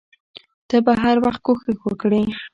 ته به هر وخت کوښښ وکړې.